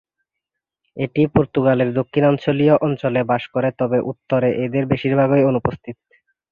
এটি পর্তুগালের দক্ষিণাঞ্চলীয় অঞ্চলে বাস করে তবে উত্তরে এদের বেশিরভাগই অনুপস্থিত।